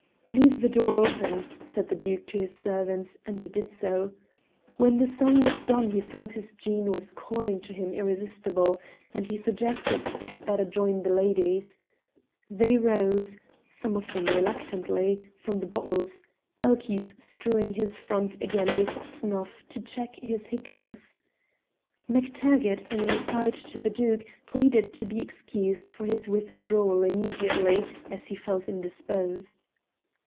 "Leave the door open," said the Duke to his servants, and they did so. When the song was done he felt his Jean was calling to him irresistible, and he suggested that they had better join the ladies. They rose some of them reluctantly from the bottles, Elchies strewing his front again with snuff to check his hiccoughs. MacTaggart, in an aside to the Duke, pleaded to be excused for his withdrawal immediately, as he felt indisposed.